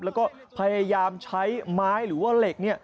แล้วก็พยายามใช้ไม้หรือว่าเหล็ก